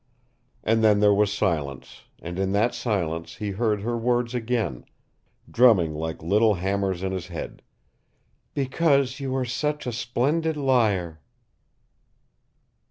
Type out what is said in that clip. And then there was silence, and in that silence he heard her words again, drumming like little hammers in his head, "BECAUSE YOU ARE SUCH A SPLENDID LIAR!"